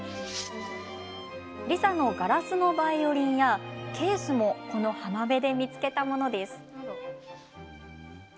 リサのガラスのバイオリンやケースもこの浜辺で見つけたものです。